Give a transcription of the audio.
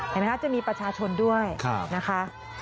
เห็นไหมคะจะมีประชาชนด้วยนะคะ